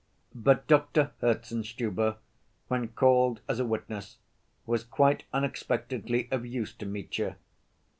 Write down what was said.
But Doctor Herzenstube, when called as a witness, was quite unexpectedly of use to Mitya.